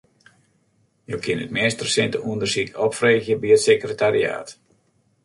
Jo kinne it meast resinte ûndersyk opfreegje by it sekretariaat.